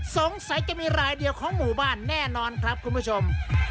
สงสัยจะมีรายเดียวของหมู่บ้านแน่นอนครับคุณผู้ชม